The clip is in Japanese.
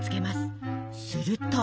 すると。